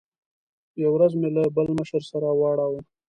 یوه ورځ مې له بل مشر سره واړاوه.